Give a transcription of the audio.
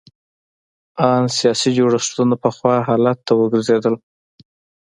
ان سیاسي جوړښتونه پخوا حالت ته وګرځېدل.